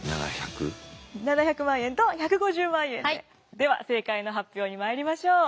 では正解の発表にまいりましょう。